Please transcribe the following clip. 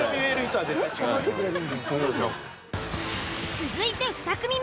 続いて２組目。